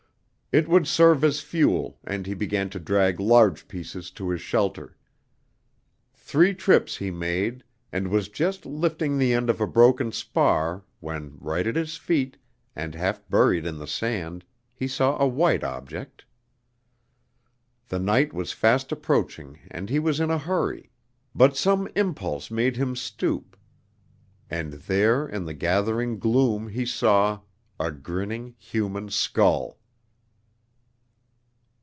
It would serve as fuel, and he began to drag large pieces to his shelter. Three trips he made, and was just lifting the end of a broken spar, when right at his feet, and half buried in the sand, he saw a white object. The night was fast approaching and he was in a hurry, but some impulse made him stoop, and there in the gathering gloom he saw a grinning human skull!